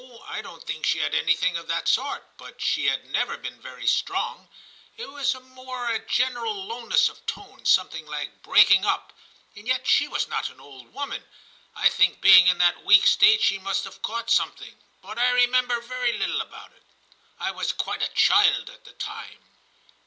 I don't think she had anything of that sort, but she had never been very strong; it was more a general lowness of tone, something like breaking up, and yet she was not an old woman. I think being in that weak state she must have caught something, but I remember very little about it. I was quite a child at the time.'